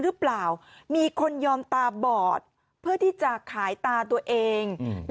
หรือเปล่ามีคนยอมตาบอดเพื่อที่จะขายตาตัวเองอืม